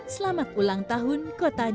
selamat ulang tahun kota jakarta